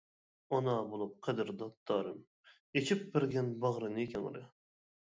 ئانا بولۇپ قەدىردان تارىم ئېچىپ بەرگەن باغرىنى كەڭرى.